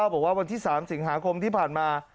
บอกว่าวันที่๓สิงหาคมที่ผ่านมา